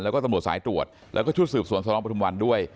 แล้วก็ตรรวจสายตรวจแล้วก็ถูกสืบสลพระทุมวัลด้วย